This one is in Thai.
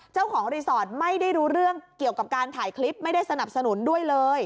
เจ้าของรีสอร์ทไม่ได้รู้เรื่องเกี่ยวกับการถ่ายคลิปไม่ได้สนับสนุนด้วยเลย